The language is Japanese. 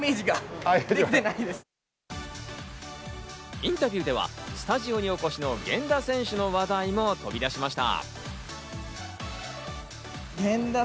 インタビューではスタジオにお越しの源田選手の話題も飛び出しました。